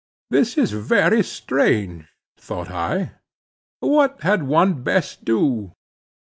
This is very strange, thought I. What had one best do?